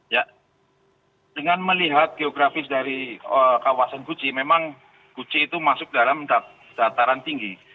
ya dengan melihat geografis dari kawasan gucci memang guci itu masuk dalam dataran tinggi